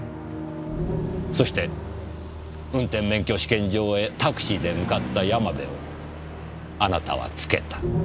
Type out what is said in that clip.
そして運転免許試験場へタクシーで向かった山部をあなたはつけた。